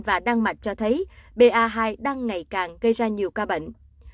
và đan mạch cho thấy ba hai đang ngày càng gây ra nhiều ca bệnh